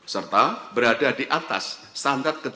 serta berada di atas standar kecuali